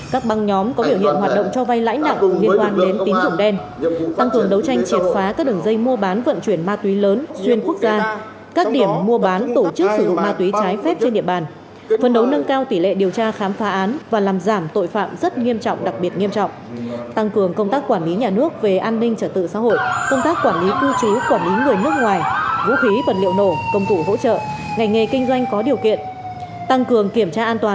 các băng nhóm có biểu hiện hoạt động cho vay lãi nặng liên quan đến tín dụng đen tăng cường đấu tranh triệt phá các đường dây mua bán vận chuyển ma túy lớn xuyên quốc gia các điểm mua bán tổ chức sử dụng ma túy trái phép trên địa bàn phấn đấu nâng cao tỷ lệ điều tra khám phá án và làm giảm tội phạm rất nghiêm trọng đặc biệt nghiêm trọng tăng cường công tác quản lý nhà nước về an ninh trở tự xã hội công tác quản lý cư trú quản lý người nước ngoài vũ khí vật liệu nổ công thủ hỗ trợ ngày nghề kinh do